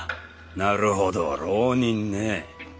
なるほど浪人ねえ。